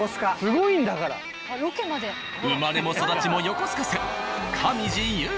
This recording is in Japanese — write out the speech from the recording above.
生まれも育ちも横須賀線。